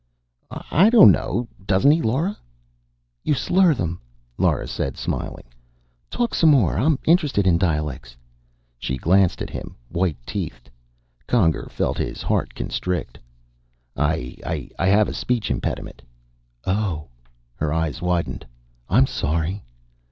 "I don't know. Doesn't he, Lora?" "You slur them," Lora said, smiling. "Talk some more. I'm interested in dialects." She glanced at him, white teethed. Conger felt his heart constrict. "I have a speech impediment." "Oh." Her eyes widened. "I'm sorry."